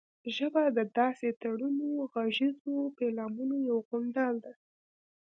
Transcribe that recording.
ژبه د داسې تړوني غږیزو پيلامو یو غونډال دی